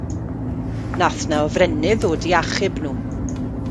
Nath 'na hofrennydd ddod i achub nhw.